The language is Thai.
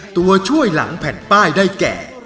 ตัวช่วยหลังแผ่นป้ายได้แก่